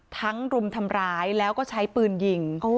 รุมทำร้ายแล้วก็ใช้ปืนยิง